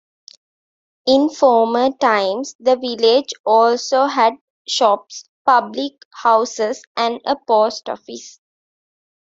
In former times the village also had shops, public houses and a post office.